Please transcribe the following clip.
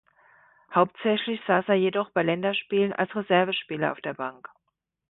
Hauptsächlich saß er jedoch bei Länderspielen als Reservespieler auf der Bank.